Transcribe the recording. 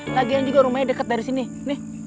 lagian juga rumahnya dekat dari sini nih